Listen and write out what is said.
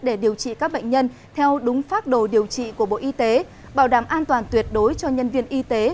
để điều trị các bệnh nhân theo đúng phác đồ điều trị của bộ y tế bảo đảm an toàn tuyệt đối cho nhân viên y tế